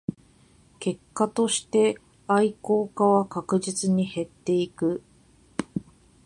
結果として愛好家は確実に減っていく